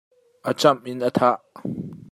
A camh in a thah.